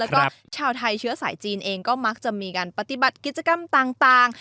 แล้วก็ชาวไทยเชื้อสายจีนเองก็มักจะมีการปฏิบัติกิจกรรมต่าง